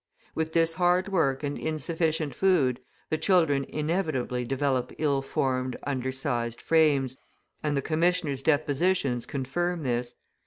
With this hard work and insufficient food, the children inevitably develop ill formed, undersized frames, and the commissioners depositions confirm this.